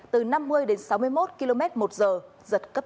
từ năm mươi đến sáu mươi một km một giờ giật cấp tám